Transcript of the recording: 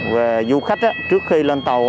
về du khách trước khi lên tàu